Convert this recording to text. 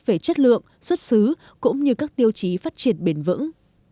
về chất lượng xuất xứ cũng như các tiêu chí phát triển bền vững